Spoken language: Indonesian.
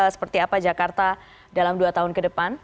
seperti apa jakarta dalam dua tahun ke depan